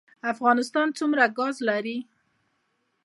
افغانستان څومره ګاز لري؟